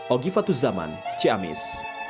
ogifat tuzaman ciamis